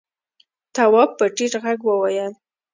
تواب په ټيټ غږ وويل: